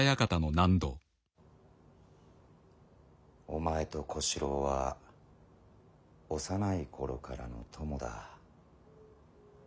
お前と小四郎は幼い頃からの友だ。